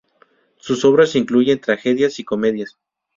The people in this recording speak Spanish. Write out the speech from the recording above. Sus obras incluyen tragedias y comedias.